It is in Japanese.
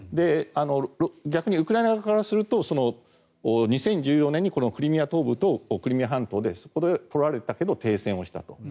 逆にウクライナ側からすると２０１４年にクリミア東部とクリミア半島で取られたけど停戦をしたと。